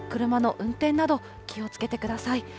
車の運転など、気をつけてください。